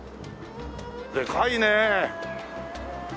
でかいねえ。